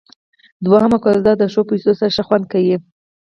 دوهمه کوزده د ښو پيسو سره ښه خوند کيي.